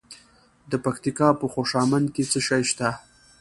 د پکتیکا په خوشامند کې څه شی شته؟